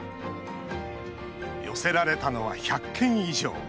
寄せられたのは１００件以上。